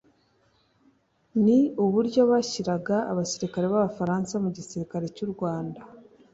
ni uburyo yashyiraga abasirikare b’Abafaransa mu gisirikare cy’u Rwanda